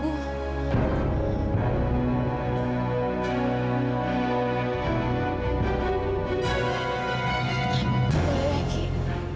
boleh ya ki